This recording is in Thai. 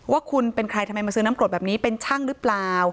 ว่าคุณเป็นใครทำไมมาซื้อน้ำกรดแบบนี้เป็นช่างหรือเปล่า